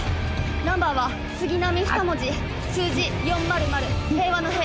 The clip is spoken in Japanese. ナンバーは杉並二文字数字４００平和の「へ」